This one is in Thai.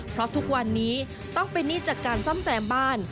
เพราะทุกวันนี้ต้องเป็นหนี้จากการซ่อมแซมบ้าน